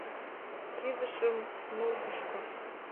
Кӱзышым нулгышко.